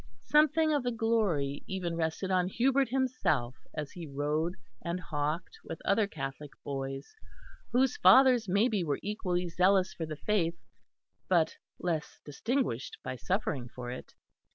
Something of the glory even rested on Hubert himself as he rode and hawked with other Catholic boys, whose fathers maybe were equally zealous for the Faith, but less distinguished by suffering for it.